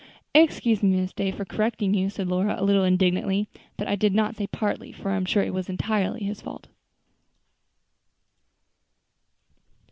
"Excuse me, Miss Day, for correcting you," said Lora, a little indignantly; "but I did not say partly, for I am sure it was entirely his fault."